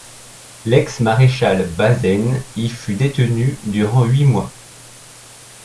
L'ex-maréchal Bazaine y fut détenu durant huit mois.